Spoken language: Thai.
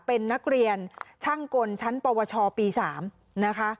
เป็นนักเรียนช่างกลชั้นปวชปี๓นะคะ